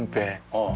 ああ。